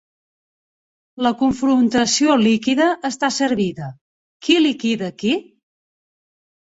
La confrontació líquida està servida: qui liquida qui?